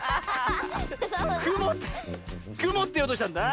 「くも」って「くも」っていおうとしたんだ。